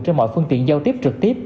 trên mọi phương tiện giao tiếp trực tiếp